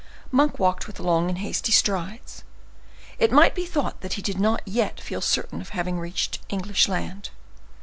Monk walked with long and hasty strides; it might be thought that he did not yet feel certain of having reached English land.